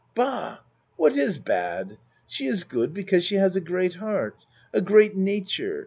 Bah! What is bad? She iss good because she has a great heart a great nature.